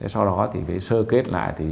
sau đó thì phải sơ kết lại